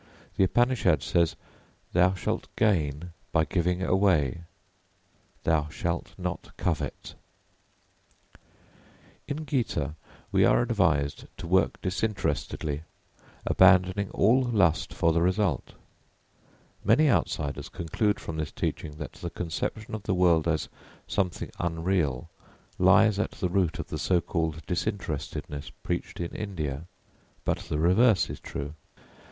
The Upanishad says, Thou shalt gain by giving away [Footnote: Tyaktēna bhuñjīthāh], Thou shalt not covet. [Footnote: Mā gridhah] In Gita we are advised to work disinterestedly, abandoning all lust for the result. Many outsiders conclude from this teaching that the conception of the world as something unreal lies at the root of the so called disinterestedness preached in India. But the reverse is true.